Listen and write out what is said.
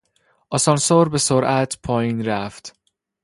آسانسور به سرعت پایین رفت.